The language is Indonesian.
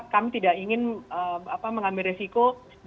kami tidak ingin mengambil resiko